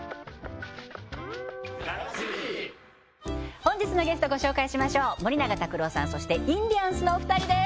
本日のゲストご紹介しましょう森永卓郎さんそしてインディアンスのお二人です